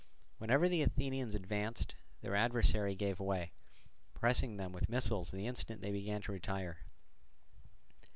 Whenever the Athenians advanced, their adversary gave way, pressing them with missiles the instant they began to retire.